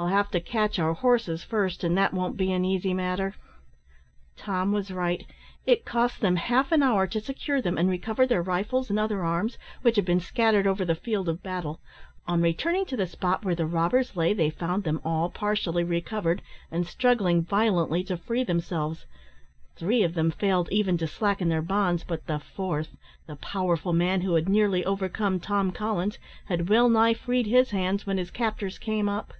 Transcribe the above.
"We'll have to catch our horses first, and that won't be an easy matter." Tom was right. It cost them half an hour to secure them and recover their rifles and other arms, which had been scattered over the field of battle. On returning to the spot where the robbers lay, they found them all partially recovered, and struggling violently to free themselves. Three of them failed even to slacken their bonds, but the fourth, the powerful man who had nearly overcome Tom Collins, had well nigh freed his hands when his captors came up.